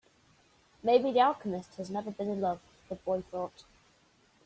Maybe the alchemist has never been in love, the boy thought.